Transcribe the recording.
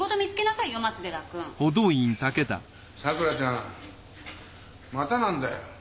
さくらちゃんまたなんだよ。